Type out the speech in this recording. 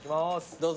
どうぞ。